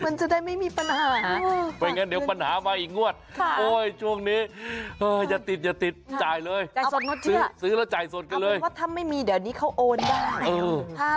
เอาไปว่าถ้าไม่มีเดี๋ยวอันนี้เขาโอ้นได้